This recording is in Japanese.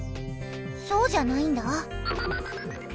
そうじゃないんだ。